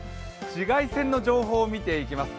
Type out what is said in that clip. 紫外線の情報を見ていきます。